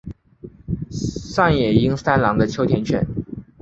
上野英三郎的秋田犬。